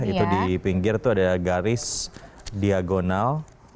itu di pinggir tuh ada garis diagonal